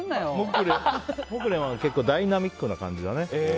モクレンは結構ダイナミックな感じだね。